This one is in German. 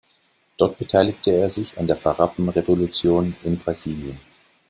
Dort beteiligte er sich an der Farrapen-Revolution in Brasilien.